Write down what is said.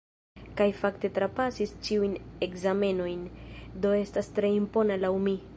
Kaj fakte trapasis ĉiujn ekzamenojn, do estas tre impona laŭ mi.